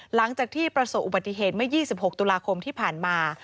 หลังจากที่ประสบอุบัติเหตุเมื่อ๒๖ตุลาคมที่ผ่านมา